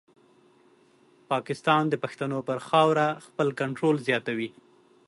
پاکستان د پښتنو پر خاوره خپل کنټرول زیاتوي.